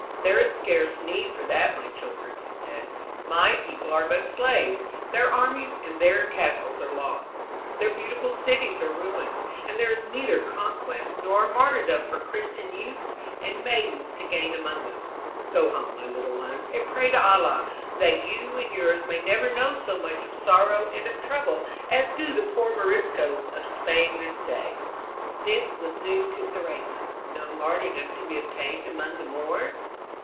"There is scarce need for that, my children," he said. "My people are but slaves; their armies and their castles are lost; their beautiful cities are ruined, and there is neither conquest nor martyrdom for Christian youths and maidens to gain among them. Go home, my little ones, and pray to Allah that you and yours may never know so much of sorrow and of trouble as do the poor Moriscoes of Spain this day." This was news to Theresa. No martyrdom to be obtained among the Moors?